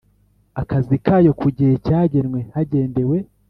Akazi kayo ku gihe cyagenwe hagendewe